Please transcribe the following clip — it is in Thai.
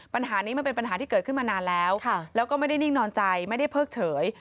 ปัญหานี้มันเป็นปัญหาที่เกิดขึ้นมานานแล้วแล้วก็ไม่ได้นิ่งนอนใจไม่ได้เพิกเฉย